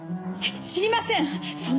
知りません！